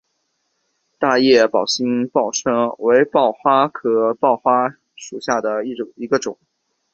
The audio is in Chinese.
大叶宝兴报春为报春花科报春花属下的一个种。